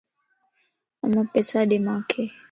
امان پيسا ڏي مانک